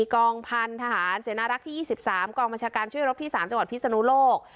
กองพันธหารเสนารักษ์ที่๒๓กองบัญชาการช่วยรบที่๓จังหวัดพิศนุโลก